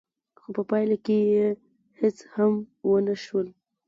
خو په پايله کې هېڅ هم ونه شول.